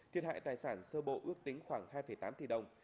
thiệt hại tài sản sơ bộ ước tính khoảng hai tám tỷ đồng